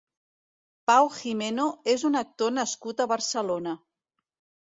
Pau Gimeno és un actor nascut a Barcelona.